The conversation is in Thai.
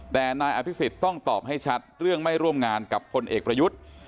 แต่นายอภิษฎต้องตอบให้ชัดเรื่องไม่ร่วมงานกับพลเอกประยุทธ์